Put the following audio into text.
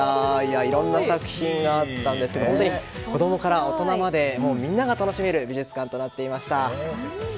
いろんな作品があったんですが本当に子供から大人までみんなが楽しめる美術館となってました。